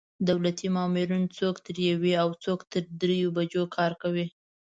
دولتي مامورین څوک تر یوې او څوک تر درېیو بجو کار کوي.